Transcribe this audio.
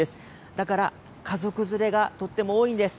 だから、家族連れがとっても多いんです。